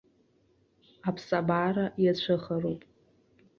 Аԥсабара иацәыхароуп.